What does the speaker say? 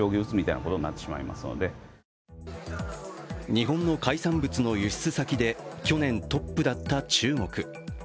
日本の海産物の輸出先で去年トップだった中国。